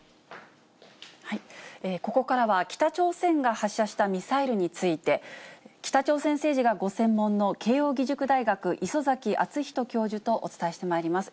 ここからは北朝鮮が発射したミサイルについて、北朝鮮政治がご専門の慶応義塾大学礒崎敦仁教授とお伝えしてまいります。